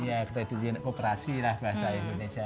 iya kredit union kooperasi bahasa indonesia